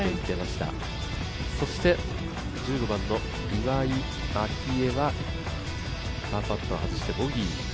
そして、１５番の岩井明愛はパーパット外してボギー。